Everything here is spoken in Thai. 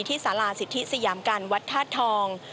ที่ศาลาสิทธิสยามกาลวัดธาตุทองศ์